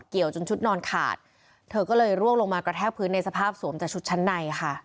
จนชุดนอนขาดเธอก็เลยร่วงลงมากระแทกพื้นในสภาพสวมแต่ชุดชั้นในค่ะ